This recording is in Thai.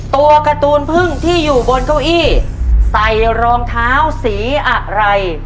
ตัวการ์ตูนพึ่งที่อยู่บนเก้าอี้ใส่รองเท้าสีอะไร